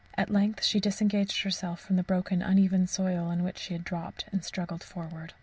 At length she disengaged herself from the broken, uneven soil on to which she had dropped, and struggled forward.